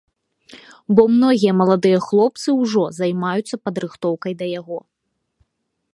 Бо многія маладыя хлопцы ўжо займаюцца падрыхтоўкай да яго.